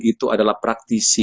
itu adalah praktisi